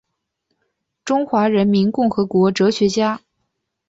中华人民共和国哲学家。